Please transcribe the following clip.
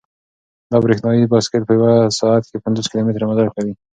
دا برېښنايي بایسکل په یوه ساعت کې پنځوس کیلومتره مزل کوي.